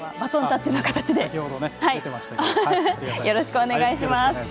よろしくお願いします。